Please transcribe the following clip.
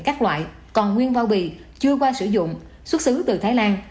các loại còn nguyên bao bì chưa qua sử dụng xuất xứ từ thái lan